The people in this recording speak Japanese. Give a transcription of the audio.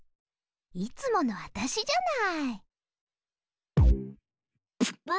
いつものわたしじゃない？